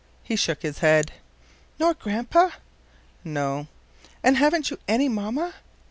He shook his head. "Nor Grandpa?" "No." "And haven't you any mamma?"